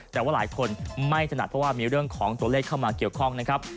แต่ว่าหลายคนไม่ถนัดเพราะว่ามีเรื่องของตัวเลขเข้ามาเกี่ยวข้องนะครับ